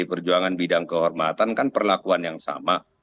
perjuangan bidang kehormatan kan perlakuan yang sama